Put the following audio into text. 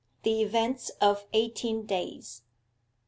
THE EVENTS OF EIGHTEEN DAYS 1.